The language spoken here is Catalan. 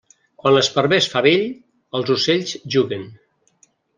Quan l'esparver es fa vell, els ocells juguen.